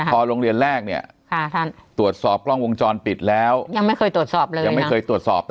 พอโรงเรียนแรกเนี่ยตรวจสอบกล้องวงณ์ปิดแล้วยังไม่เคยตรวจสอบ